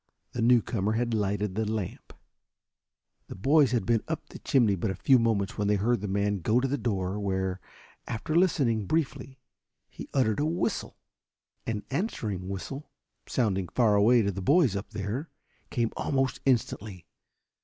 The newcomer had lighted the lamp. The boys had been up the chimney but a few moments when they heard the man go to the door where, after listening briefly, he uttered a whistle. An answering whistle, sounding far away to the boys up there, came almost instantly.